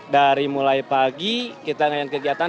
dari mulai pagi kita dengan kegiatan